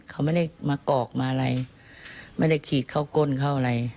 เขาไม่ได้มากอกมาอะไรไม่ได้ขีดเข้าก้นเข้าอะไร